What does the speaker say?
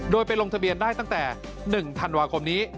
โดยไปลงทะเบียนได้ตั้งแต่๑ธันวาคมนี้